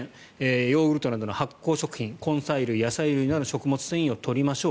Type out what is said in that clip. ヨーグルトなどの発酵食品根菜類、野菜類など食物繊維を取りましょう。